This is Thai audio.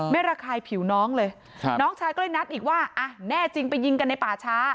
ระคายผิวน้องเลยน้องชายก็เลยนัดอีกว่าอ่ะแน่จริงไปยิงกันในป่าช้า